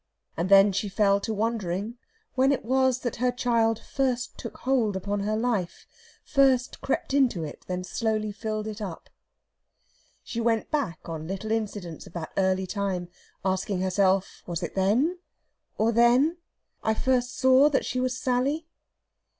And then she fell to wondering when it was that her child first took hold upon her life; first crept into it, then slowly filled it up. She went back on little incidents of that early time, asking herself, was it then, or then, I first saw that she was Sally?